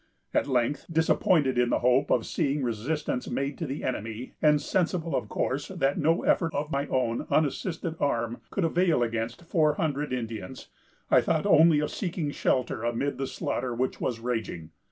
"At length, disappointed in the hope of seeing resistance made to the enemy, and sensible, of course, that no effort of my own unassisted arm could avail against four hundred Indians, I thought only of seeking shelter amid the slaughter which was raging.